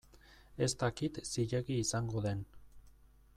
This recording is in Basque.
Ez dakit zilegi izango den.